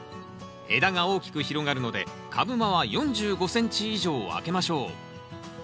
枝が大きく広がるので株間は４５ｃｍ以上空けましょう。